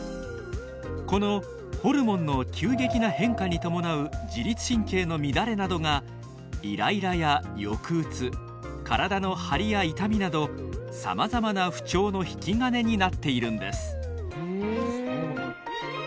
このホルモンの急激な変化に伴う自律神経の乱れなどがイライラや抑うつ体の張りや痛みなどさまざまな不調の引き金になっているんです。